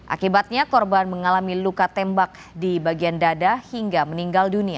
akibatnya korban mengalami luka tembak di bagian dada hingga meninggal dunia